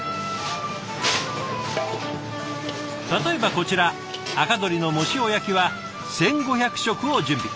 例えばこちら赤どりの藻塩焼きは１，５００食を準備。